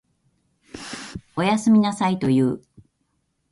おやすみなさいと言う。